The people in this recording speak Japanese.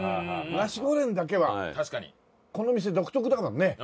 ナシゴレンだけはこの店独特だからね。